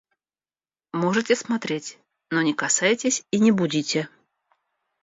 Можете смотреть, но не касайтесь и не будите.